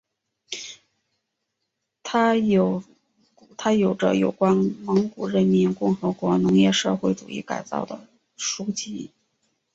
他着有有关蒙古人民共和国农业社会主义改造的书籍。